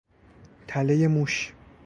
تلهی موش